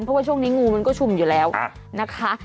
เพราะว่าช่วงนี้งูมันก็ชุมอยู่แล้วนะคะ